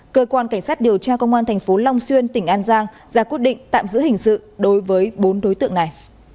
cơ quan cảnh sát điều tra công an tp long xuyên tỉnh an giang ra quyết định tạm giữ hình sự đối với bốn đối tượng này